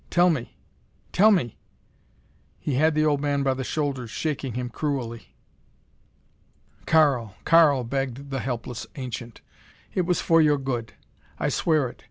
Tell me tell me!" He had the old man by the shoulders, shaking him cruelly. "Karl Karl," begged the helpless ancient, "it was for your good. I swear it.